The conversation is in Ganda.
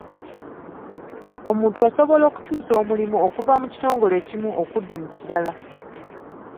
Omuntu asobola okukyusa omulimu okuva mu kitongole ekimu okudda mu kirala.